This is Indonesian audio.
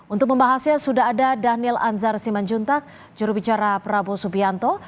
untuk membahasnya sudah ada daniel anzar simanjuntak jurubicara prabowo subianto